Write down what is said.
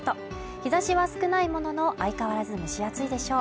日差しは少ないものの相変わらず蒸し暑いでしょう